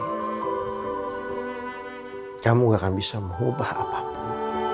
kamu gak akan bisa mengubah apapun